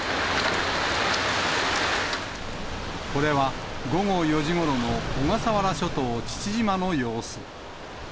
これは午後４時ごろの小笠原諸島・父島の様子。